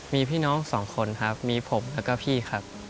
มีพี่น้องสองคนครับมีผมแล้วก็พี่ครับ